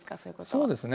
そうですね。